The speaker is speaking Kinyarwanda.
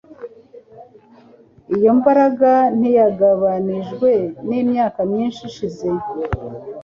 Iyo mbaraga ntiyagabanijwe n'imyaka myinshi ishize